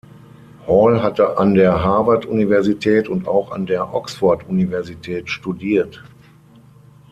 Hall hatte an der Harvard-Universität und auch an der Oxford-Universität studiert.